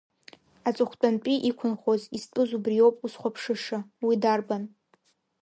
Аҵыхәтәантәи иқәынхоз, изтәыз убриоуп узхәаԥшыша, уи дарбан?